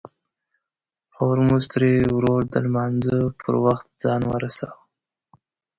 هورموز تري ورور د لمانځه پر وخت ځان ورساوه.